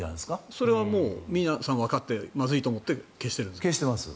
それは皆さん、わかってまずいと思って消しています。